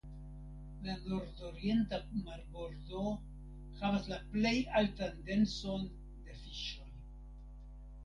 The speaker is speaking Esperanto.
La nordorienta marbordo havas la plej altan denson de fiŝoj.